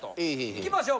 いきましょう